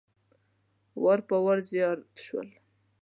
وار په وار زیات شول.